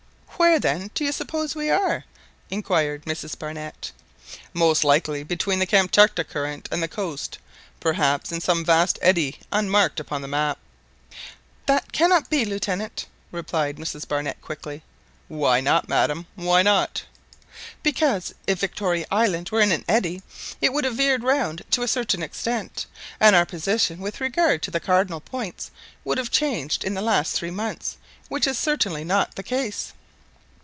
"Where, then, do you suppose we are?" inquired Mrs Barnett. "Most likely between the Kamtchatka Current and the coast, perhaps in some vast eddy unmarked upon the map." "That cannot be, Lieutenant," replied Mrs Barnett, quickly. "Why not, madam, why not?" "Because if Victoria Island were in an eddy, it would have veered round to a certain extent, and our position with regard to the cardinal points would have changed in the last three months, which is certainly not the case."